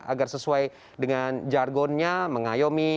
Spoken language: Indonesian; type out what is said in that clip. agar sesuai dengan jargonnya mengayomi